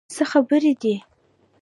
څه خبرې دي؟